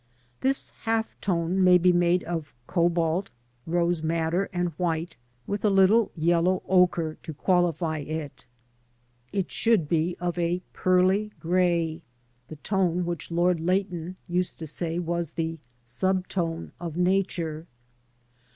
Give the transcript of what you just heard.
This half tone may be made of cobalt, rose madder and white, with a little yellow ochre to [S 6o LANDSCAPE PAINTING IN OIL COLOUR. qualify it It should be of a pearly grey — ^the tone which Lord Leighton used to say was the sub toiie of Nature.